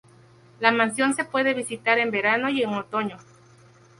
La mansión se puede visitar en verano y en otoño.